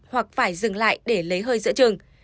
hoặc phải dừng lại để lấy hơi giữa trường